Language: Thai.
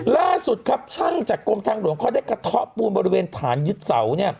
ล่าสุดครับช่างจากกรมทางหลวงเขาได้กระเทาะปูนบริเวณฐานยึดเสา